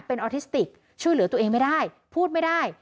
เป็นออทิสติกช่วยเหลือตัวเองไม่ได้พูดไม่ได้